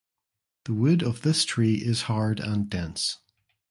The wood of this tree is hard and dense.